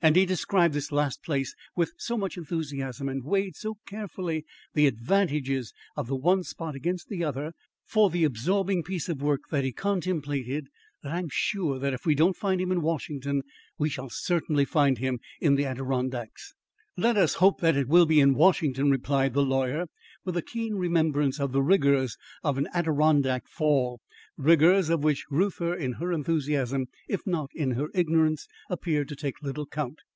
And he described this last place with so much enthusiasm and weighed so carefully the advantages of the one spot against the other for the absorbing piece of work that he contemplated, that I am sure that if we do not find him in Washington, we certainly shall in the Adirondacks." "Let us hope that it will be in Washington," replied the lawyer, with a keen remembrance of the rigours of an Adirondack fall rigours of which Reuther in her enthusiasm, if not in her ignorance, appeared to take little count.